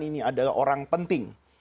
ini adalah orang penting